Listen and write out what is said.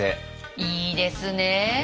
いいですねえ。